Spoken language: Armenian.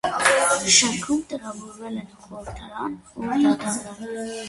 Շենքում տեղավորվել են խորհրդարանն ու դատարաններ։